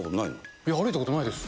いや、歩いたことないです。